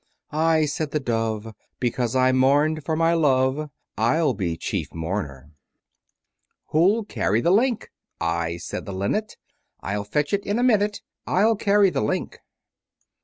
I, said the Dove, Because I mourned for my love, I'll be chief mourner. Who'll carry the link? I, said the Linnet, I'll fetch it in a minute, I'll carry the link.